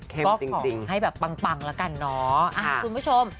ก็ขอให้แบบปังละกันเนาะ